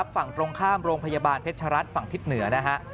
ฝั่งตรงข้ามโรงพยาบาลเพชรรัฐฝั่งทิศเหนือนะฮะ